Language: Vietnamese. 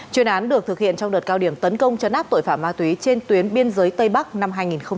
chuyên án được thực hiện trong đợt cao điểm tấn công chấn áp tội phạm ma túy trên tuyến biên giới tây bắc năm hai nghìn hai mươi ba